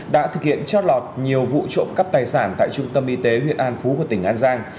đã thực hiện trót lọt nhiều vụ trộm cắp tài sản tại trung tâm y tế huyện an phú của tỉnh an giang